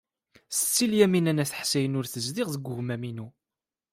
Setti Lyamina n At Ḥsayen ur tezdiɣ deg wegmam-inu.